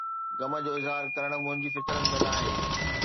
غم جو اظهار ڪرڻ منهنجي فطرت ۾ ناهي